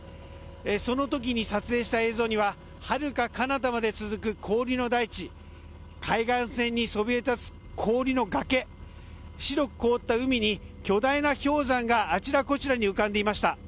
そのときに撮影した映像にははるかかなたまで続く氷の大地海岸線にそびえ立つ氷の崖白く凍った海に、巨大な氷山があちらこちらに浮かんでいました。